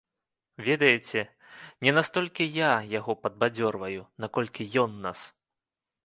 Ведаеце, не настолькі я яго падбадзёрваю, наколькі ён нас.